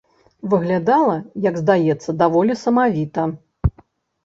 Выглядала, як здаецца, даволі самавіта.